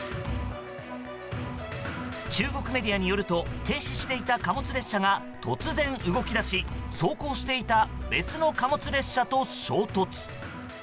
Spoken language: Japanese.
中国メディアによると停止していた貨物列車が突然動き出し走行していた別の貨物列車と衝突。